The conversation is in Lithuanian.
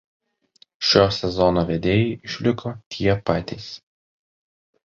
Šio sezono vedėjai išliko tie patys.